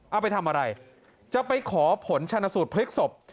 เอาไปทำอะไรจะไปขอผลชนสูตรพลิกศพ